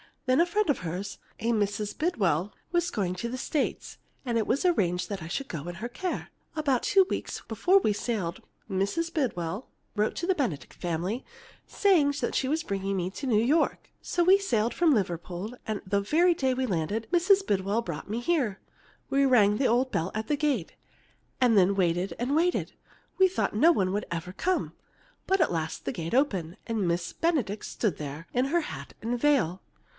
Then a friend of hers, a Mrs. Bidwell, was going to the States, and it was arranged that I should go in her care. About two weeks before we sailed Mrs. Bidwell wrote to the Benedict family, saying she was bringing me to New York. "So we sailed from Liverpool, and the very day we landed, Mrs. Bidwell brought me here. We rang the old bell at the gate, and then waited and waited. I thought no one would ever come. But at last the gate opened, and Miss Benedict stood there in her hat and veil.